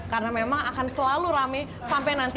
karena memang akan selalu rame sampai nanti